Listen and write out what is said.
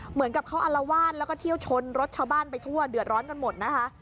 เหมือนกับเขาอลวาดแล้วก็เที่ยวชนรถชาวบ้านไปทั่วเดือดร้อนกันหมดนะคะ